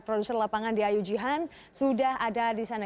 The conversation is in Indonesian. produser lapangan di ayu jihan sudah ada di sana